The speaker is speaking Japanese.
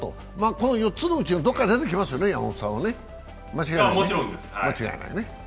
この４つのうちのどこかに出てきますよね、間違いないね。